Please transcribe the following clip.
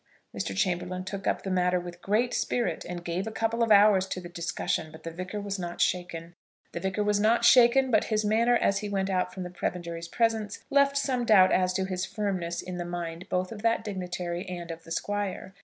Mr. Chamberlaine took up the matter with great spirit, and gave a couple of hours to the discussion, but the Vicar was not shaken. The Vicar was not shaken, but his manner as he went out from the prebendary's presence, left some doubt as to his firmness in the mind both of that dignitary and of the Squire.